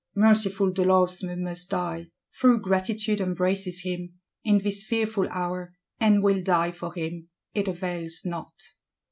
Merciful de Losme must die; though Gratitude embraces him, in this fearful hour, and will die for him; it avails not.